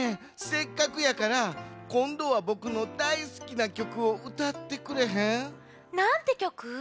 せっかくやからこんどはボクのだいすきなきょくをうたってくれへん？なんてきょく？